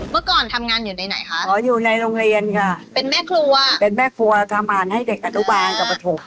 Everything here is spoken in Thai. เมื่อก่อนทำงานอยู่ในไหนคะขออยู่ในโรงเรียนค่ะเป็นแม่ครัวเป็นแม่ครัวทำอาหารให้เด็กอนุบาลกับปฐม